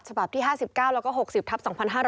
ฉบับที่๕๙แล้วก็๖๐ทับ๒๕๖๒